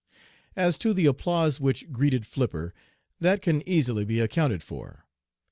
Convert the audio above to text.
"As to the applause which greeted Flipper, that can easily be accounted for.